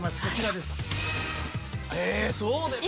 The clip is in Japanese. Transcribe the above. こちらです。